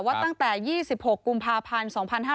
ตั้งแต่๒๖กุมภาพันธ์๒๕๕๙